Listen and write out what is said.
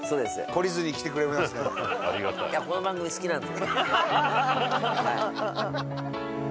この番組好きなんで。